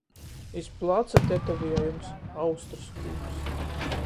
Iz placa tetoviejums – Austrys kūks.